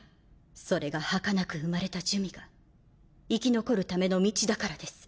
それがはかなく生まれた珠魅が生き残るための道だからです。